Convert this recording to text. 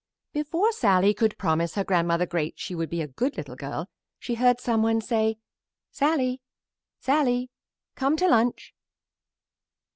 Before Sallie could promise her Grandmother Great she would be a good little girl she heard some one say, "Sallie, Sallie, come to lunch."